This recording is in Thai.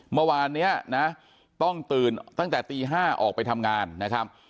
เมื่อวานนี้นะต้องตื่นตั้งแต่ตี๕ออกไปทำงานนะครับ